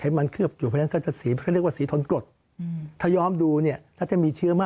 ไอออกมาเยอะแล้วก็ยอมสีนี้ดู